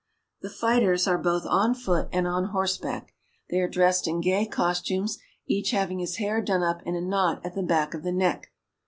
The fighters are both on foot and on horseback. They are dressed in gay costumes, each having his hair done up in a knot at the back of the neck.